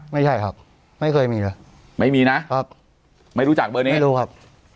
ไม่ใช่ครับไม่เคยมีเลยไม่มีนะครับไม่รู้จักเบอร์นี้ไม่รู้ครับ